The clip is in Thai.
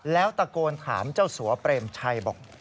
แล้วตะโกนถามเจ้าสัวเปรมชัยบอก